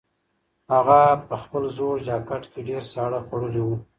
هغه په خپل زوړ جاکټ کې ډېر ساړه خوړلي وو.